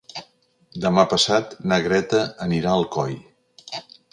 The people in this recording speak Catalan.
Demà passat na Greta anirà a Alcoi.